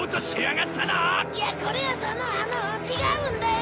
いやこれはそのあの違うんだよ。